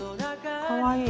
かわいい。